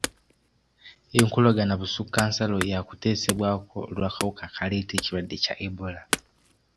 Enkolagana busukkansalo yakuteesebwako olw'akawuka akaleeta ekirwadde kya Ebola.